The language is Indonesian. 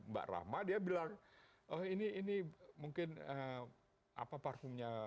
mbak rahma dia bilang oh ini mungkin apa parfumnya